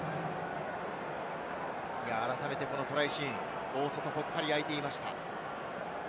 改めて、このトライシーン、大外がぽっかり空いていました。